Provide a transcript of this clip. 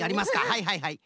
はいはいはい。